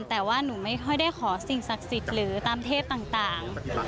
แต่ว่าหนูไม่ค่อยได้ขอสิ่งศักดิ์สิทธิ์หรือตามเทพต่าง